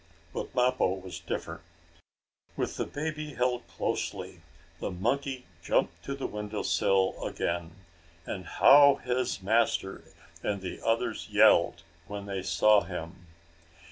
But Mappo was different. With the baby held closely, the monkey jumped to the window sill again, and how his master and the others yelled when they saw him!